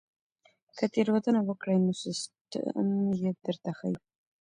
که تېروتنه وکړئ نو سیستم یې درته ښيي.